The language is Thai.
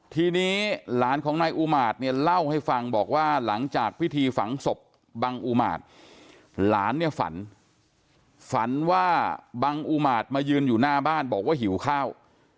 ทีนี้หลานของนายอูมาตเนี่ยเล่าให้ฟังบอกว่าหลังจากพิธีฝังศพบังอุมาตรหลานเนี่ยฝันฝันว่าบังอุมาตมายืนอยู่หน้าบ้านบอกว่าหิวข้าว